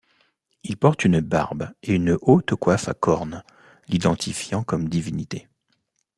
Il porte une barbe et une haute coiffe à cornes, l'identifiant comme divinité.